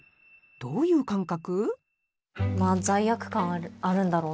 どういう感覚？